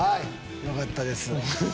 よかったです。